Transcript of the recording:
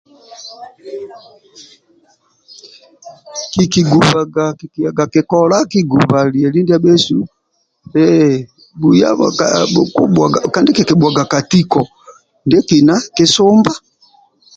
Bhikighubaga kikiyaga kikola ki ghubha lyeli ndyabhesu kandi kiki bhuwaga ka tiko ndyekina kisumba